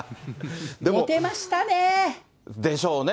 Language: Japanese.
モテましたね。でしょうね。